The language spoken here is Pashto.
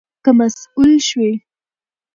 که مسؤول شوې